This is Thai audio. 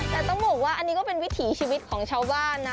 แต่ต้องบอกว่าอันนี้ก็เป็นวิถีชีวิตของชาวบ้านนะ